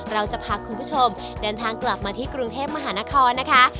เราจะพาคุณผู้ชมเดินทางกลับมาที่กรุงเทพมหานครนะคะ